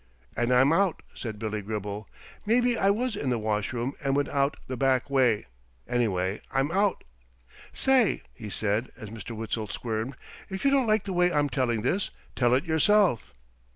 "And I'm out," said Billy Gribble. "Maybe I was in the washroom and went out the back way. Anyway, I'm out. Say," he said, as Mr. Witzel squirmed, "if you don't like the way I'm telling this, tell it yourself."